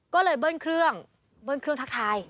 ก็เลยเบิ้ลเครื่องเบิ้ลเครื่องทักทาย